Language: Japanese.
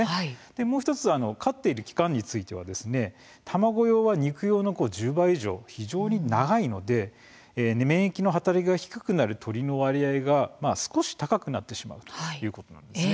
もう１つ、飼っている期間なんですが卵用は肉用の１０倍以上と非常に長いので免疫の働きが低くなる鶏の割合が少し高くなってしまうんです。